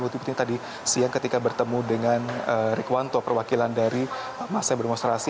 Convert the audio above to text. mungkin seperti tadi siang ketika bertemu dengan rekuwanto perwakilan dari maseh bermonstrasi